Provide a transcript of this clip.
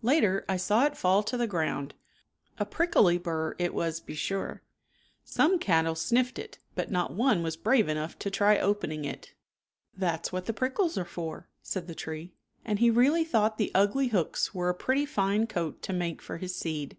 Later I saw it fall to the ground, A prickly bur it was be sure. Some cattle sniffed it, but not one was brave enough to try opening it. 45 " That's what the prickles are for/' said the tree, and he really thought the ugly hooks were a pretty fine coat to make for his seed.